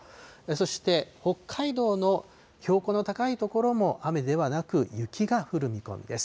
そして北海道の標高の高い所も雨ではなく、雪が降る見込みです。